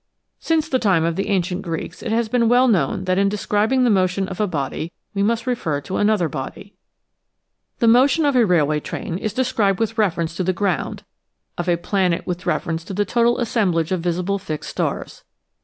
Since the time of the ancient Greeks it has been well known that in describing the motion of a body we must refer to another body. The motion of a railway train is TIME, SPACE, AND GRAVITATION 111 described with reference to the ground, of a planet with reference to the total assemblage of visible fixed stars.